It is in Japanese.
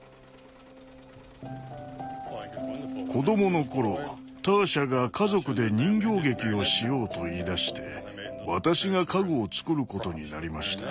子どもの頃ターシャが「家族で人形劇をしよう」と言いだして私が家具を作ることになりました。